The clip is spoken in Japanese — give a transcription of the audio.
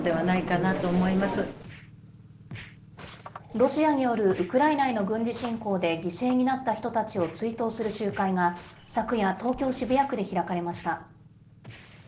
ロシアによるウクライナへの軍事侵攻で犠牲になった人たちを追悼する集会が、昨夜、東京・渋谷区で開かれました。